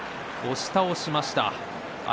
海を押し倒しました。